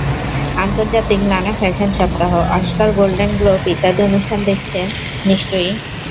আন্তর্জাতিক নানা ফ্যাশন সপ্তাহ, অস্কার, গোল্ডেন গ্লোব ইত্যাদি অনুষ্ঠান দেখছেন নিশ্চয়ই।